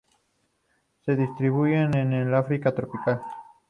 Se distribuyen en el África tropical.